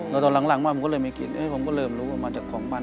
แล้วตอนหลังมาผมก็เลยไม่คิดผมก็เริ่มรู้ว่ามาจากของมัน